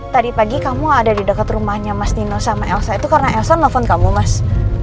tadi pagi kamu ada di dekat rumahnya mas dino sama elsa itu karena elsa nelfon kamu mas